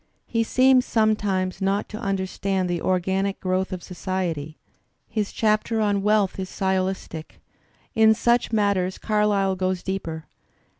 He seems sometimes not to understand the organic growth of society. His chapter on '* Wealth" is sdolistic. In such matters Carlyle goes deeper.